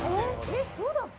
えっそうだっけ？